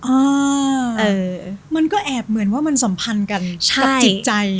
เออมันก็แอบเหมือนว่ามันสัมพันธ์กันกับจิตใจ